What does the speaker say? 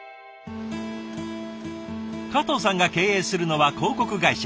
加藤さんが経営するのは広告会社。